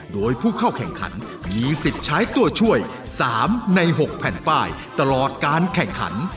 โดยผู้เข้าแข่งขันมีสิทธิ์ใช้ตัวช่วย๓ใน๖แผ่นป้ายตลอดการแข่งขัน